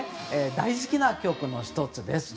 大好きな曲の１つですと。